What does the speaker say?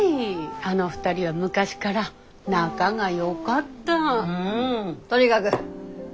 あの２人は昔から仲がよかった。とにかぐやりましょうよ。